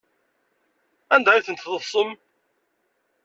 Anda ay ten-tḍefsem?